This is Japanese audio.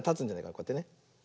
こうやってね。